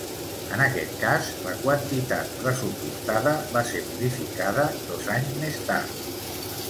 En aquest cas, la quantitat pressupostada va ser modificada dos anys més tard.